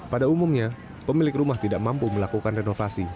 pada umumnya pemilik rumah tidak mampu melakukan renovasi